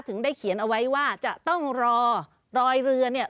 ถึงได้เขียนเอาไว้ว่าจะต้องรอรอยเรือเนี่ย